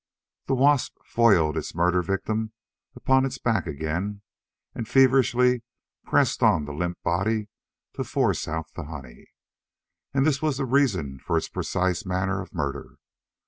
The wasp foiled its murdered victim upon its back again and feverishly pressed on the limp body to force out the honey. And this was the reason for its precise manner of murder.